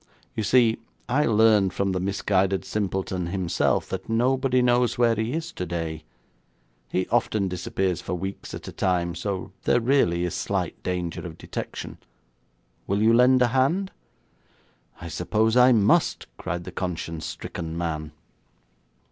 You see, I learned from the misguided simpleton himself that nobody knows where he is today. He often disappears for weeks at a time, so there really is slight danger of detection. Will you lend a hand?' 'I suppose I must,' cried the conscience stricken man.